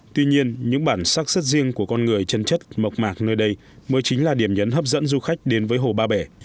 tuy nhiên những bản sắc rất riêng của con người chân chất mộc mạc nơi đây mới chính là điểm nhấn hấp dẫn du khách đến với hồ ba bể